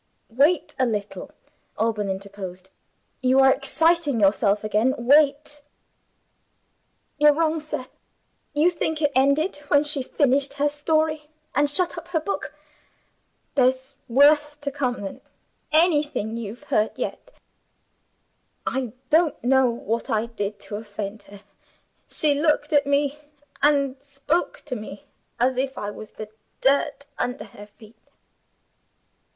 "Wait a little," Alban interposed. "You are exciting yourself again wait." "You're wrong, sir! You think it ended when she finished her story, and shut up her book; there's worse to come than anything you've heard yet. I don't know what I did to offend her. She looked at me and spoke to me, as if I was the dirt under her feet.